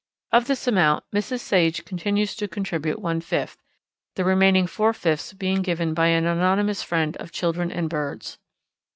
Of this amount Mrs. Sage continues to contribute one fifth, the remaining four fifths being given by an anonymous friend of children and birds.